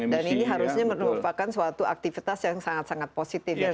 dan ini harusnya merupakan suatu aktivitas yang sangat sangat positif